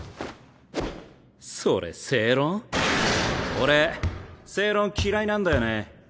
俺正論嫌いなんだよね。